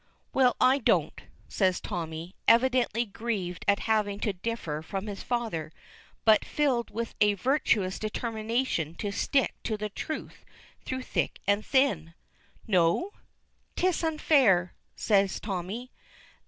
"Well, I don't," says Tommy, evidently grieved at having to differ from his father; but filled with a virtuous determination to stick to the truth through thick and thin. "No?" "'Tis unfair," says Tommy.